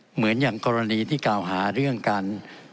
เหมือนอย่างกรณีที่กล่าวหาเรื่องการ